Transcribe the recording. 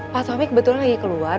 pak sofi kebetulan lagi keluar